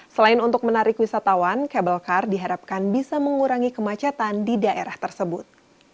selain untuk menarik wisatawan kabel kar diharapkan bisa mengurangi kemacetan di daerah tersebut